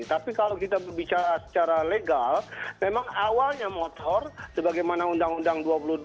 tapi kalau kita berbicara secara legal memang awalnya motor sebagaimana undang undang dua puluh dua